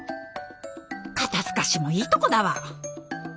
肩透かしもいいとこだわ！